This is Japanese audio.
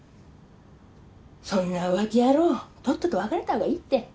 そんな浮気野郎とっとと別れたほうがいいって。